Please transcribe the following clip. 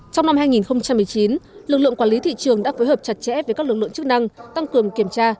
trong năm hai nghìn một mươi chín lực lượng quản lý thị trường đã phối hợp chặt chẽ với các lực lượng chức năng tăng cường kiểm tra